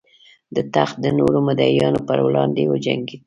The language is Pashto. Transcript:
د تخت د نورو مدعیانو پر وړاندې وجنګېد.